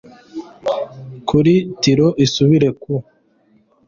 kuri tiro isubire ku